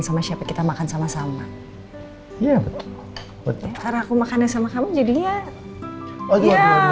sama siapa kita makan sama sama iya betul karena aku makannya sama kamu jadinya oh iya